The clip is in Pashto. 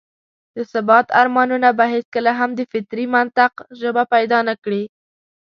د ثبات ارمانونه به هېڅکله هم د فطري منطق ژبه پيدا نه کړي.